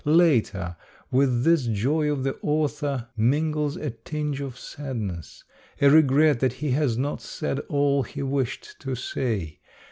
Later, with this joy of the author mingles a tinge of sadness, of regret that he has not said all he wished to say.